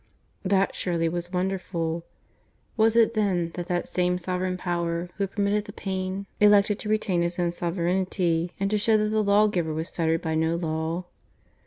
That surely was wonderful. ... Was it then that that same Sovereign Power who had permitted the pain elected to retain His own sovereignty, and to show that the Lawgiver was fettered by no law?